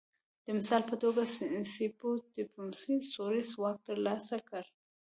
د مثال په توګه سیپټیموس سوروس واک ترلاسه کړ